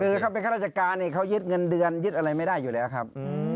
คือเขาเป็นข้าราชการเนี่ยเขายึดเงินเดือนยึดอะไรไม่ได้อยู่แล้วครับ